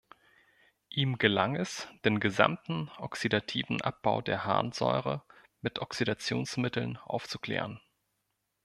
Ihm gelang es, den gesamten oxidativen Abbau der Harnsäure mit Oxidationsmitteln aufzuklären.